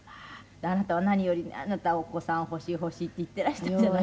であなたは何よりね「お子さん欲しい欲しい」って言ってらしたじゃない。